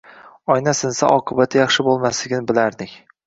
Oyna sinsa, oqibati yaxshi bo‘lmasligini bilardik.